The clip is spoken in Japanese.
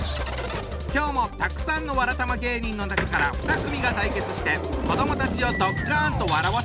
今日もたくさんのわらたま芸人の中から２組が対決して子どもたちをドッカンと笑わせちゃうぞ！